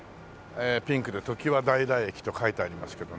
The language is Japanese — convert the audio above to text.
ピンクで「常盤平駅」と書いてありますけどね。